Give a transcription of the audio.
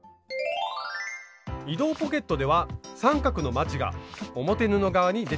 移動ポケットでは三角のまちが表布側に出ています。